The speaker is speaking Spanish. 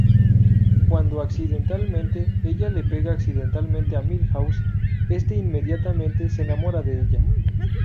Cuando accidentalmente ella le pega accidentalmente a Milhouse, este inmediatamente, se enamora de ella.